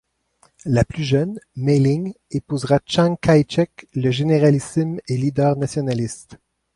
La plus jeune, May-ling, épousera Tchang Kaï-chek, le généralissime et leader nationaliste.